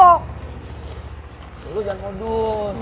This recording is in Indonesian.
lo jangan modus